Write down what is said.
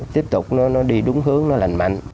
tiếp tục nó đi đúng hướng nó lành mạnh